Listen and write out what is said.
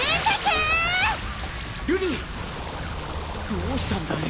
どうしたんだい？